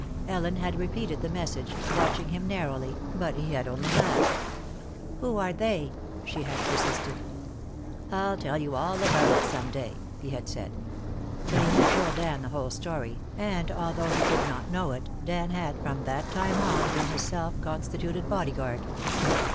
Ellen had repeated the message, watching him narrowly, but he had only laughed. "Who are they?" she had persisted. "I'll tell you all about it some day," he had said. But he had told Dan the whole story, and, although he did not know it, Dan had from that time on been his self constituted bodyguard.